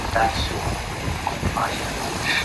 现任教区主教为目前教区主教席位处于出缺状态。